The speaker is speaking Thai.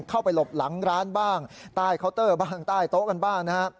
หลบหลังร้านบ้างใต้เคาน์เตอร์บ้างใต้โต๊ะกันบ้างนะฮะ